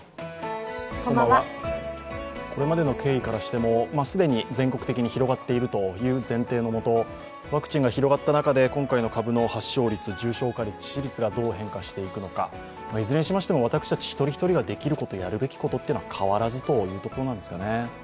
これまでの経緯からしても既に全国的に広がっているという前提のもとワクチンが広がった中で今回の株の発症率、重症化率、致死率がどう変化かしていくのか、いずれにしましても、私たち一人一人ができること、やるべきことは変わらずというところなんですかね。